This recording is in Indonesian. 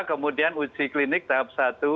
kemudian uji klinik tahap satu